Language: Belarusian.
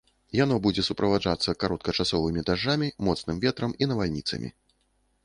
Яно будзе суправаджацца кароткачасовымі дажджамі, моцным ветрам і навальніцамі.